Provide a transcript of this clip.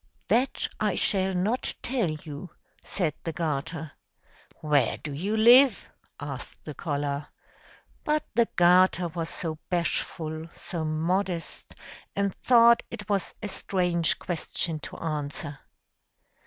"That I shall not tell you!" said the garter. "Where do you live?" asked the collar. But the garter was so bashful, so modest, and thought it was a strange question to answer.